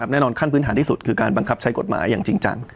แน่นอนขั้นพื้นฐานที่สุดคือการบังคับใช้กฎหมายอย่างจริงจัง